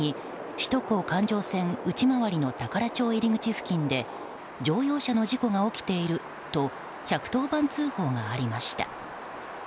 首都高環状線内回りの宝町入り口付近で乗用車の事故が起きていると１１０番通報がありました。